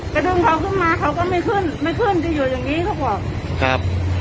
ดึงเขาขึ้นมาเขาก็ไม่ขึ้นไม่ขึ้นจะอยู่อย่างงี้เขาบอกครับ